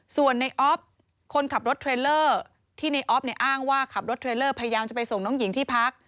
ส่วนในออฟคนขับรถเทรลเลอร์ที่ในออฟเนี่ยอ้างว่าขับรถเทรลเลอร์พยายามจะไปส่งน้องหญิงที่พัก